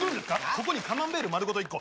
ここにカマンベール丸ごと一個。